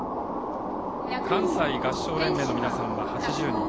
関西合唱連盟の皆さんは８０人。